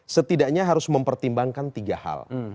setidaknya harus mempertimbangkan tiga hal